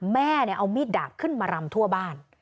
แม่เอามีดดาบขึ้นมารำทั่วบ้าน